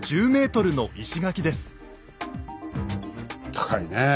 高いねえ。